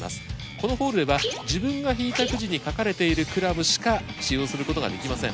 このホールでは自分が引いたくじに書かれているクラブしか使用することができません。